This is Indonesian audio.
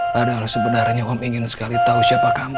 hai karena sebenarnya ngom ingin sekali tahu siapa kamu